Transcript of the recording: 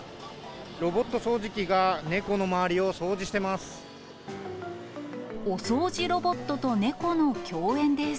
ロボット掃除機が猫の周りを掃除してます。